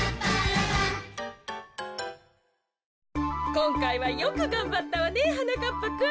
こんかいはよくがんばったわねはなかっぱくん。